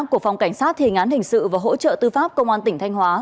của phòng cảnh sát thể ngán hình sự và hỗ trợ tư pháp công an tỉnh thanh hóa